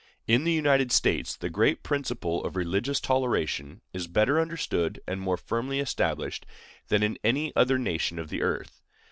In the United States, the great principle of religious toleration is better understood and more firmly established than in any other nation of the earth.